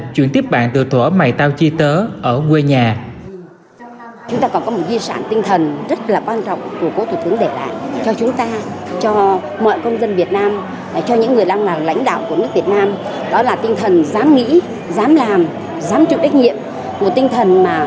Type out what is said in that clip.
chuyện tiếp bạn từ thổ mày tao chi tớ ở quê nhà